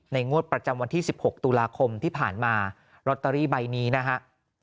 งวดประจำวันที่๑๖ตุลาคมที่ผ่านมาลอตเตอรี่ใบนี้นะฮะ